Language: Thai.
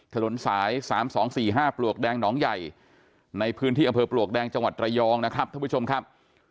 ถนนสาย๓๒๔๕ปลวกแดงหนองใหญ่ในพื้นที่อำเภอปลวกแดงจังหวัดระยองนะครับท่านผู้ชมครับ